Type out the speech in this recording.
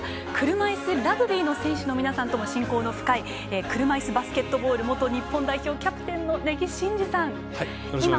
車いすラグビーの選手の皆さんとも親交の深い車いすバスケの元日本代表キャプテンの根木慎志さん。